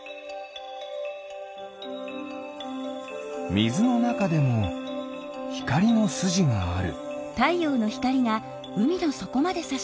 みずのなかでもひかりのすじがある。